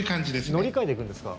乗り換えて行くんですか？